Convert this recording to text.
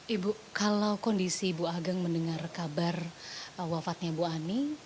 ibu kalau kondisi ibu ageng mendengar kabar wafatnya ibu ani